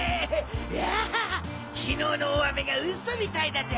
うわ昨日の大雨が嘘みたいだぜ！